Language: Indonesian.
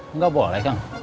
enggak boleh kang